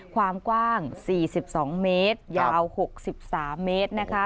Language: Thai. ความกว้าง๔๒เมตรยาว๖๓เมตรนะคะ